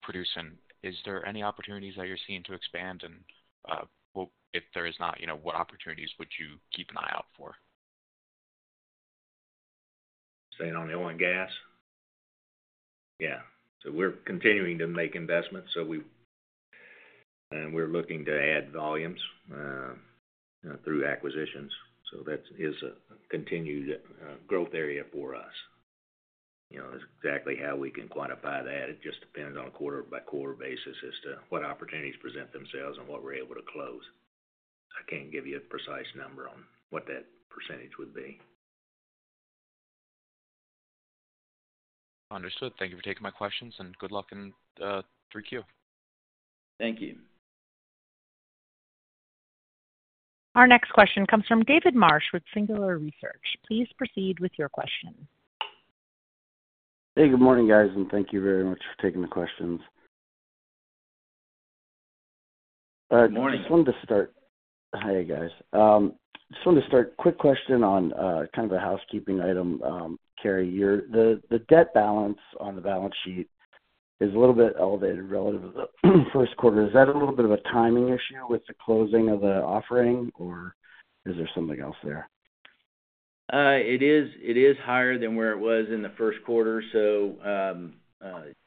producing. Is there any opportunities that you're seeing to expand? And if there is not, what opportunities would you keep an eye out for?
Saying on oil and gas?
Yeah.
So we're continuing to make investments, and we're looking to add volumes through acquisitions. So that is a continued growth area for us. That's exactly how we can quantify that. It just depends on a quarter-by-quarter basis as to what opportunities present themselves and what we're able to close. I can't give you a precise number on what that percentage would be.
Understood. Thank you for taking my questions, and good luck in 3Q.
Thank you.
Our next question comes from David Marsh with Singular Research. Please proceed with your question.
Hey. Good morning, guys, and thank you very much for taking the questions. Good morning. Just wanted to start, hey, guys. Just wanted to start a quick question on kind of a housekeeping item, Cary. The debt balance on the balance sheet is a little bit elevated relative to the first quarter. Is that a little bit of a timing issue with the closing of the offering, or is there something else there?
It is higher than where it was in the first quarter. So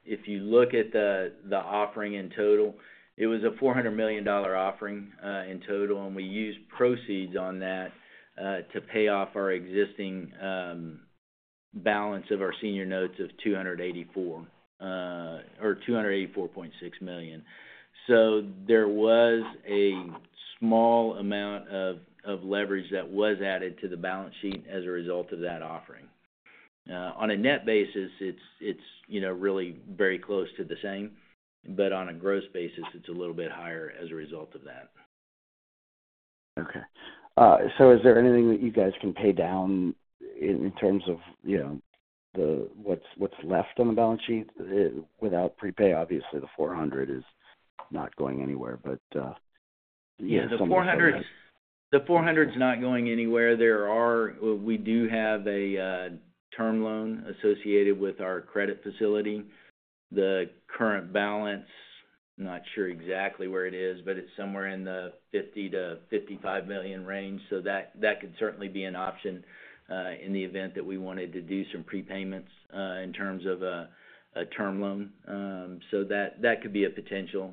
if you look at the offering in total, it was a $400 million offering in total, and we used proceeds on that to pay off our existing balance of our senior notes of $284 million or $284.6 million. So there was a small amount of leverage that was added to the balance sheet as a result of that offering. On a net basis, it's really very close to the same, but on a gross basis, it's a little bit higher as a result of that.
Okay. So is there anything that you guys can pay down in terms of what's left on the balance sheet without prepay? Obviously, the $400 is not going anywhere, but yeah, some of the funds.
Yeah. The 400's not going anywhere. We do have a term loan associated with our credit facility. The current balance, I'm not sure exactly where it is, but it's somewhere in the $50 million-$55 million range. So that could certainly be an option in the event that we wanted to do some prepayments in terms of a term loan. So that could be a potential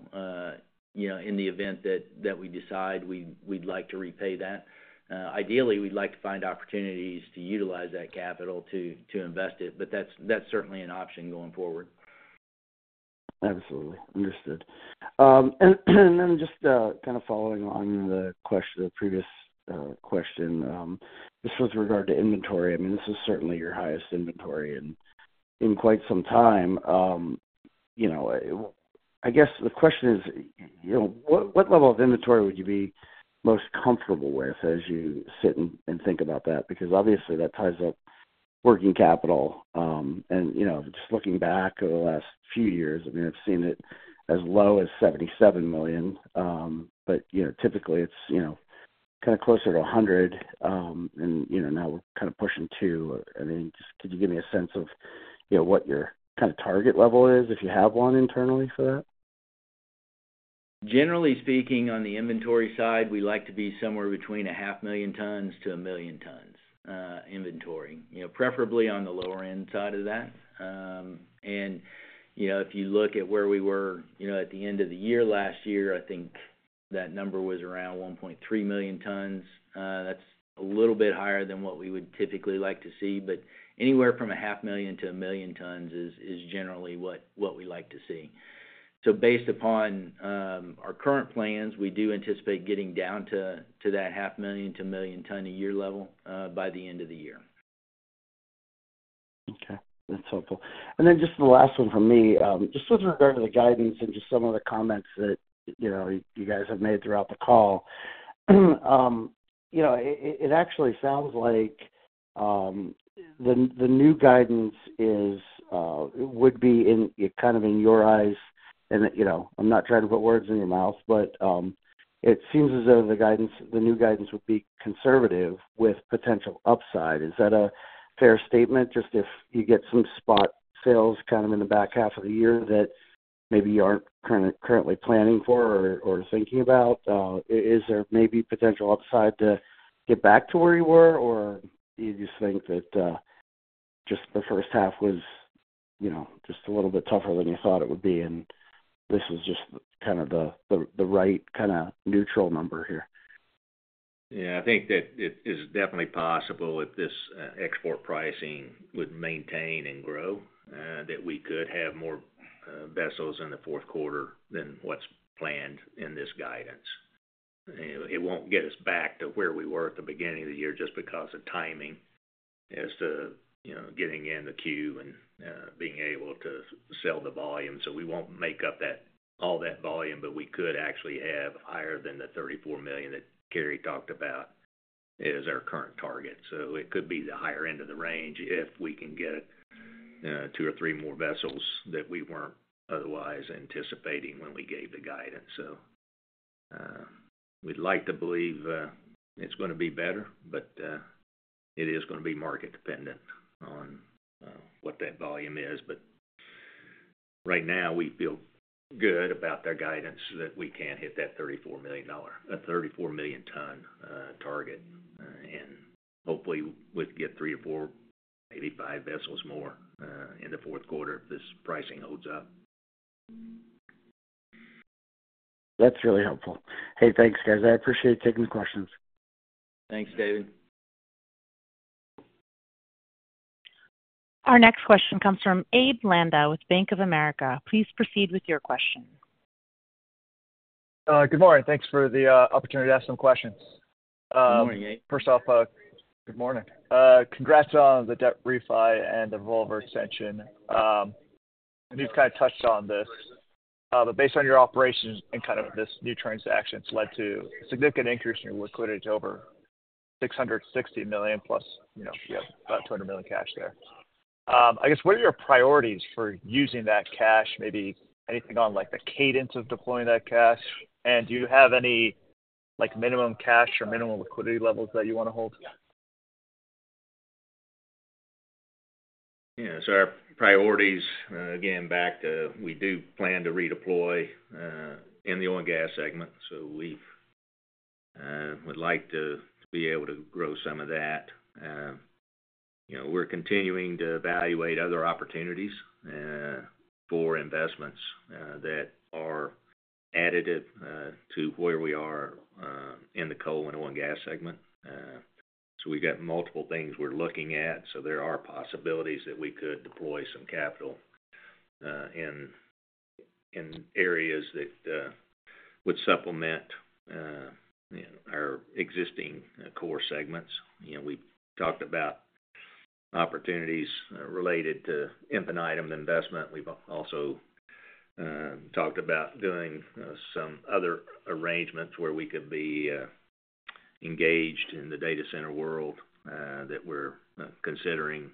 in the event that we decide we'd like to repay that. Ideally, we'd like to find opportunities to utilize that capital to invest it, but that's certainly an option going forward.
Absolutely. Understood. And then just kind of following on the previous question, this was with regard to inventory. I mean, this is certainly your highest inventory in quite some time. I guess the question is, what level of inventory would you be most comfortable with as you sit and think about that? Because obviously, that ties up working capital. And just looking back over the last few years, I mean, I've seen it as low as $77 million, but typically, it's kind of closer to $100 million. And now we're kind of pushing $200 million. I mean, just could you give me a sense of what your kind of target level is, if you have one internally for that?
Generally speaking, on the inventory side, we like to be somewhere between 500,000 to 1 million tons inventory, preferably on the lower end side of that. And if you look at where we were at the end of the year last year, I think that number was around 1.3 million tons. That's a little bit higher than what we would typically like to see, but anywhere from 500,000 to 1 million tons is generally what we like to see. So based upon our current plans, we do anticipate getting down to that 500,000 to 1 million-ton-a-year level by the end of the year.
Okay. That's helpful. And then just the last one for me, just with regard to the guidance and just some of the comments that you guys have made throughout the call, it actually sounds like the new guidance would be kind of in your eyes. And I'm not trying to put words in your mouth, but it seems as though the new guidance would be conservative with potential upside. Is that a fair statement? Just if you get some spot sales kind of in the back half of the year that maybe you aren't currently planning for or thinking about, is there maybe potential upside to get back to where you were, or do you just think that just the first half was just a little bit tougher than you thought it would be, and this is just kind of the right kind of neutral number here?
Yeah. I think that it is definitely possible if this export pricing would maintain and grow that we could have more vessels in the fourth quarter than what's planned in this guidance. It won't get us back to where we were at the beginning of the year just because of timing as to getting in the queue and being able to sell the volume. So we won't make up all that volume, but we could actually have higher than the 34 million that Cary talked about as our current target. So it could be the higher end of the range if we can get two or three more vessels that we weren't otherwise anticipating when we gave the guidance. So we'd like to believe it's going to be better, but it is going to be market-dependent on what that volume is. But right now, we feel good about their guidance that we can hit that 34 million-ton target, and hopefully, we'd get three to four, maybe five vessels more in the fourth quarter if this pricing holds up.
That's really helpful. Hey, thanks, guys. I appreciate taking the questions.
Thanks, David.
Our next question comes from Abe Landa with Bank of America. Please proceed with your question. Good morning.
Thanks for the opportunity to ask some questions.
Good morning, Abe.
First off, good morning. Congrats on the debt refi and the revolver extension. And you've kind of touched on this, but based on your operations and kind of this new transaction, it's led to a significant increase in your liquidity to over $660 million, plus you have about $200 million cash there. I guess, what are your priorities for using that cash, maybe anything on the cadence of deploying that cash? And do you have any minimum cash or minimum liquidity levels that you want to hold?
Yeah. So our priorities, again, back to we do plan to redeploy in the oil and gas segment, so we would like to be able to grow some of that. We're continuing to evaluate other opportunities for investments that are additive to where we are in the coal and oil and gas segment. So we've got multiple things we're looking at. So there are possibilities that we could deploy some capital in areas that would supplement our existing core segments. We talked about opportunities related to Infinitum investment. We've also talked about doing some other arrangements where we could be engaged in the data center world that we're considering.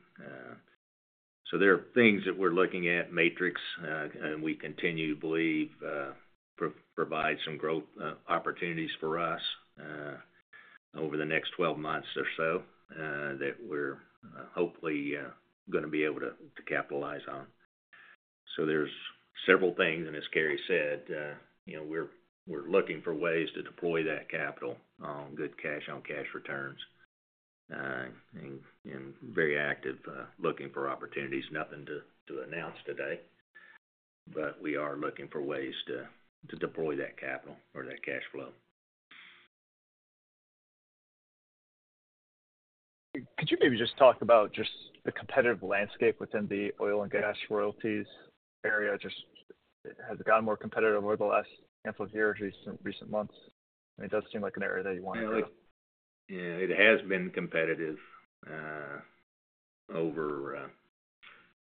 So there are things that we're looking at, Matrix, and we continue to believe provide some growth opportunities for us over the next 12 months or so that we're hopefully going to be able to capitalize on. So there's several things, and as Cary said, we're looking for ways to deploy that capital on good cash, on cash returns, and very active looking for opportunities. Nothing to announce today, but we are looking for ways to deploy that capital or that cash flow.
Could you maybe just talk about just the competitive landscape within the oil and gas royalties area? Just has it gotten more competitive over the last handful of years, recent months? I mean, it does seem like an area that you want to.
Yeah. It has been competitive over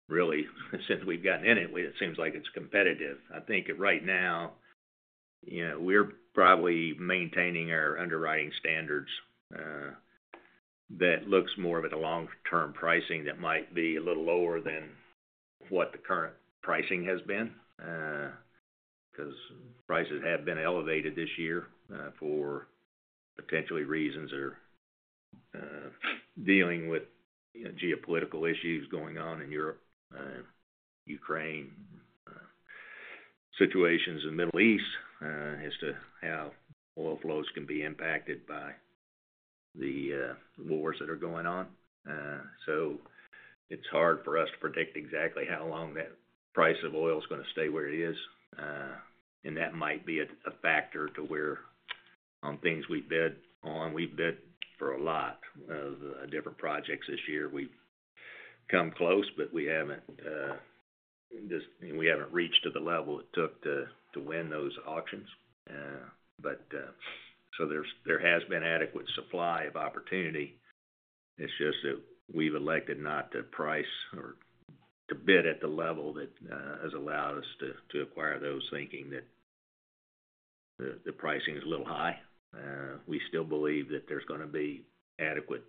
really since we've gotten in it. It seems like it's competitive. I think right now, we're probably maintaining our underwriting standards that looks more of at a long-term pricing that might be a little lower than what the current pricing has been because prices have been elevated this year for potentially reasons or dealing with geopolitical issues going on in Europe, Ukraine, situations in the Middle East as to how oil flows can be impacted by the wars that are going on. So it's hard for us to predict exactly how long that price of oil is going to stay where it is. And that might be a factor to where on things we've bid on. We've bid for a lot of different projects this year. We've come close, but we haven't reached to the level it took to win those auctions. But so there has been adequate supply of opportunity. It's just that we've elected not to price or to bid at the level that has allowed us to acquire those thinking that the pricing is a little high. We still believe that there's going to be adequate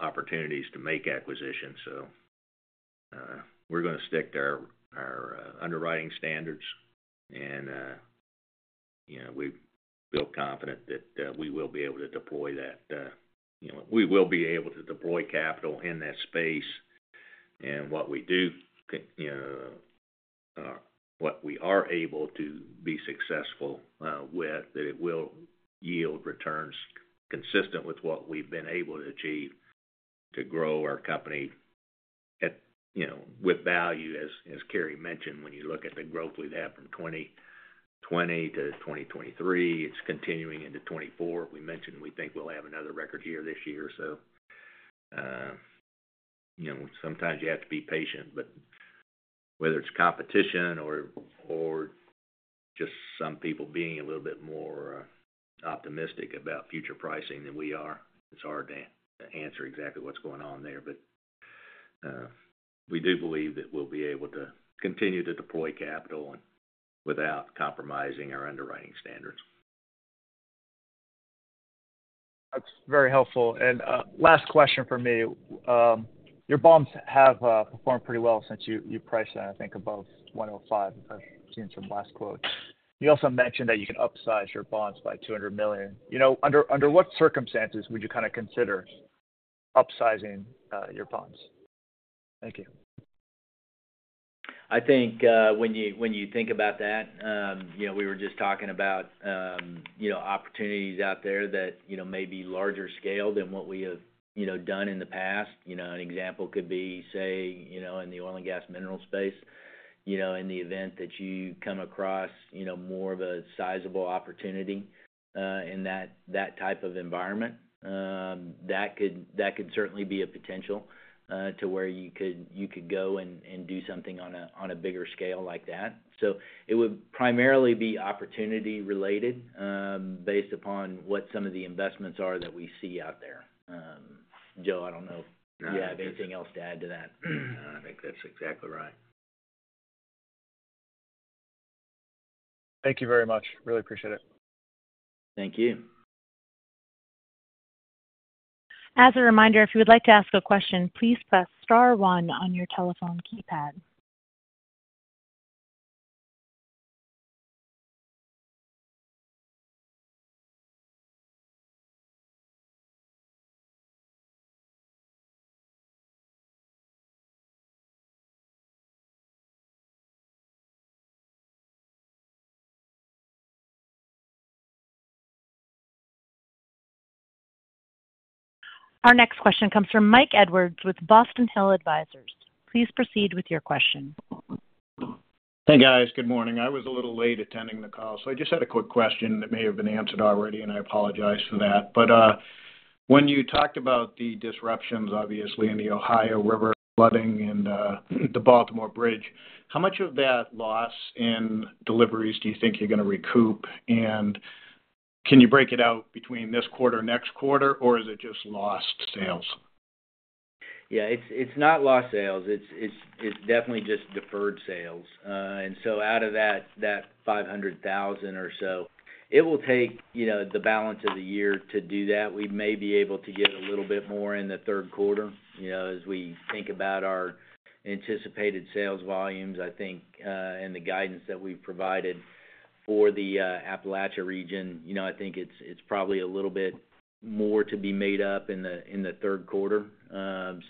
opportunities to make acquisitions. So we're going to stick to our underwriting standards, and we feel confident that we will be able to deploy that. We will be able to deploy capital in that space. And what we do, what we are able to be successful with, that it will yield returns consistent with what we've been able to achieve to grow our company with value. As Cary mentioned, when you look at the growth we've had from 2020 to 2023, it's continuing into 2024. We mentioned we think we'll have another record year this year. So sometimes you have to be patient, but whether it's competition or just some people being a little bit more optimistic about future pricing than we are, it's hard to answer exactly what's going on there. But we do believe that we'll be able to continue to deploy capital without compromising our underwriting standards.
That's very helpful. And last question for me. Your bonds have performed pretty well since you priced them, I think, above 105. I've seen some last quotes. You also mentioned that you can upsize your bonds by $200 million. Under what circumstances would you kind of consider upsizing your bonds? Thank you.
I think when you think about that, we were just talking about opportunities out there that may be larger scale than what we have done in the past. An example could be, say, in the oil and gas mineral space. In the event that you come across more of a sizable opportunity in that type of environment, that could certainly be a potential to where you could go and do something on a bigger scale like that. So it would primarily be opportunity-related based upon what some of the investments are that we see out there. Joe, I don't know if you have anything else to add to that.
I think that's exactly right.
Thank you very much. Really appreciate it. Thank you.
As a reminder, if you would like to ask a question, please press star one on your telephone keypad. Our next question comes from Mike Edwards with Boston Hill Advisors. Please proceed with your question.
Hey, guys. Good morning. I was a little late attending the call, so I just had a quick question that may have been answered already, and I apologize for that. But when you talked about the disruptions, obviously, in the Ohio River flooding and the Baltimore Bridge, how much of that loss in deliveries do you think you're going to recoup? And can you break it out between this quarter and next quarter, or is it just lost sales?
Yeah. It's not lost sales. It's definitely just deferred sales. And so out of that 500,000 or so, it will take the balance of the year to do that. We may be able to get a little bit more in the third quarter as we think about our anticipated sales volumes, I think, and the guidance that we've provided for the Appalachia region. I think it's probably a little bit more to be made up in the third quarter.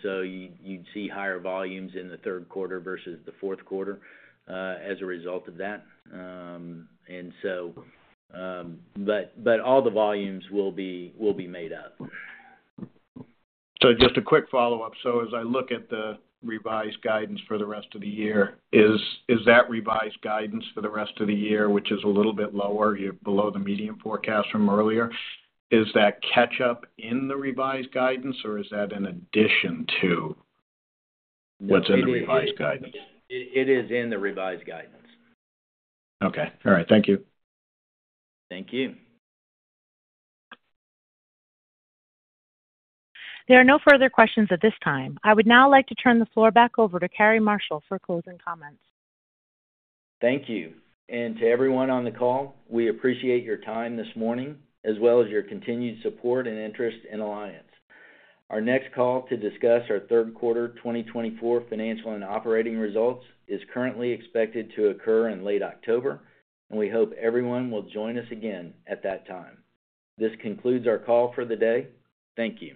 So you'd see higher volumes in the third quarter versus the fourth quarter as a result of that. But all the volumes will be made up.
So just a quick follow-up. So as I look at the revised guidance for the rest of the year, is that revised guidance for the rest of the year, which is a little bit lower, below the median forecast from earlier, is that catch-up in the revised guidance, or is that in addition to what's in the revised guidance?
It is in the revised guidance.
Okay. All right. Thank you.
Thank you.
There are no further questions at this time. I would now like to turn the floor back over to Cary Marshall for closing comments.
Thank you. And to everyone on the call, we appreciate your time this morning as well as your continued support and interest in Alliance. Our next call to discuss our third quarter 2024 financial and operating results is currently expected to occur in late October, and we hope everyone will join us again at that time. This concludes our call for the day. Thank you.